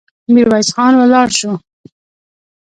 ميرويس خان ولاړ شو.